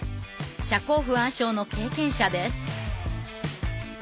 社交不安症の経験者です。